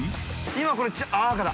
今これあっ赤だ。